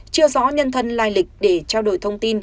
chưa rõ nhân thân lai lịch để trao đổi thông tin